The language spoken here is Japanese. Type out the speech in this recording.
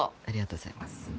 ありがとうございます。